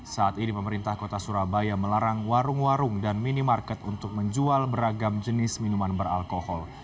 saat ini pemerintah kota surabaya melarang warung warung dan minimarket untuk menjual beragam jenis minuman beralkohol